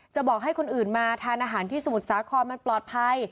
บอกให้คนอื่นมาทานอาหารที่สมุทรสาครมันปลอดภัย